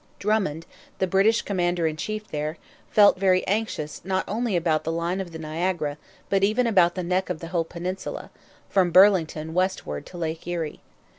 Drummond, the British commander in chief there, felt very anxious not only about the line of the Niagara but even about the neck of the whole peninsula, from Burlington westward to Lake Erie.